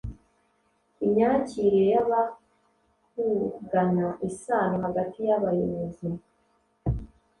imyakirire y'abakugana, isano hagati y'abayobozi